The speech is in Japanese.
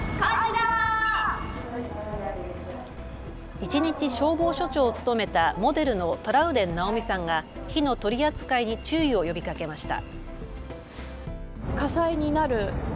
一日消防署長を務めたモデルのトラウデン直美さんが火の取り扱いに注意を呼びかけました。